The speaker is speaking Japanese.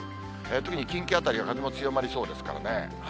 特に近畿辺りは風も強まりそうですからね。